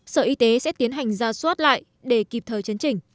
sở y tế sẽ tiến hành ra soát lại để kịp thời chấn chỉnh